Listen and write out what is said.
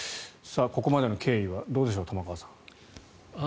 ここまでの経緯はどうでしょう玉川さん。